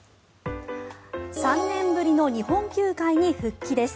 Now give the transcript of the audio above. ３年ぶりの日本球界に復帰です。